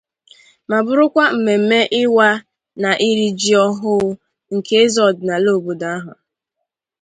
ma bụrụkwa mmemme ịwa na iri ji ọhụụ nke eze ọdịnala obodo ahụ.